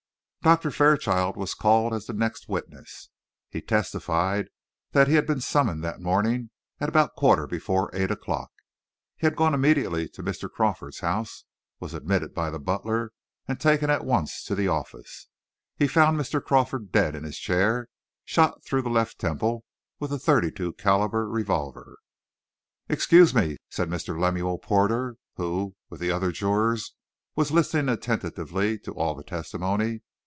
Doctor Fairchild was called as the next witness. He testified that he had been summoned that morning at about quarter before eight o'clock. He had gone immediately to Mr. Crawford's house, was admitted by the butler, and taken at once to the office. He found Mr. Crawford dead in his chair, shot through the left temple with a thirty two calibre revolver. "Excuse me," said Mr. Lemuel Porter, who, with the other jurors, was listening attentively to all the testimony.